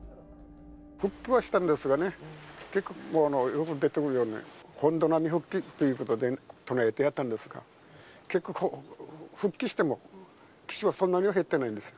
復帰はしたんですがね、結局、本土並み復帰ということで唱えてやったんですが、結局、復帰しても基地はそんなには減ってないんです。